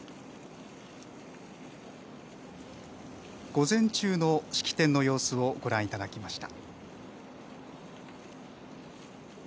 午前中の式典の様子をご覧いただきました。